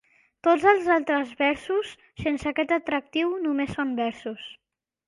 Tots els altres versos, sense aquest atractiu, només són versos.